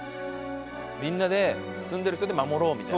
みんなで住んでる人で守ろうみたいな。